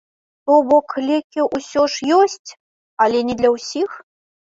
То бок, лекі ўсё ж ёсць, але не для ўсіх?